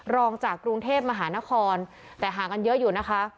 รองจากกรุงเทพมหานครแต่ห่างกันเยอะอยู่นะคะ